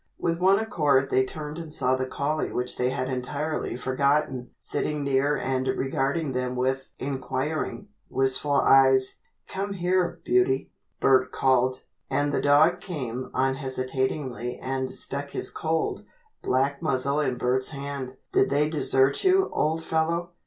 With one accord they turned and saw the collie which they had entirely forgotten, sitting near and regarding them with inquiring, wistful eyes. "Come here, Beauty," Bert called, and the dog came unhesitatingly and stuck his cold, black muzzle in Bert's hand. "Did they desert you, old fellow?"